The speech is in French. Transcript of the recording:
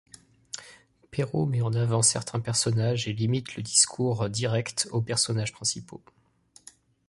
Perrault met en avant certains personnages et limite le discours direct aux personnages principaux.